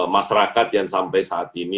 masyarakat yang sampai saat ini